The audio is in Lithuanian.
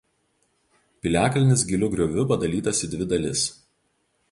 Piliakalnis giliu grioviu padalytas į dvi dalis.